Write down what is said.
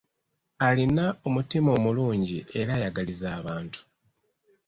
Alina omutima omulungi era ayagaliza abantu.